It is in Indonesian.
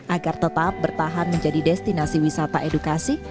agar tetap bertahan menjadi destinasi wisata edukasi